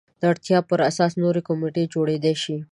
د اړتیا پر اساس نورې کمیټې جوړېدای شي.